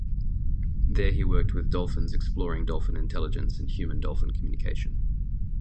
There he worked with dolphins exploring dolphin intelligence and human-dolphin communication.